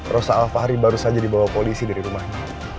rosa al fahri baru saja dibawa polisi dari rumahnya